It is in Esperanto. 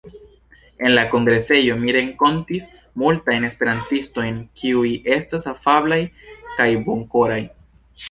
En la kongresejo mi renkontis multajn esperantistojn, kiuj estas afablaj kaj bonkoraj.